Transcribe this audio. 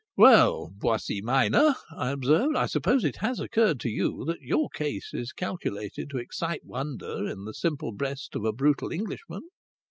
"Well, Boissy Minor," I observed, "I suppose it has occurred to you that your case is calculated to excite wonder in the simple breast of a brutal Englishman."